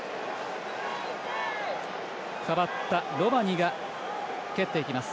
代わったロマニが蹴っていきます。